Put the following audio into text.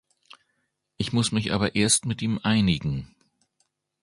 Ich muss mich aber erst mit ihm einigen.